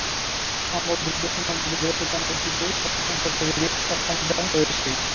সম্ভব দ্রুত সময়ের মধ্যে বৃহত্তর জনগোষ্ঠীকে সচেতন করতে রেডিওর সক্ষমতা রয়েছে।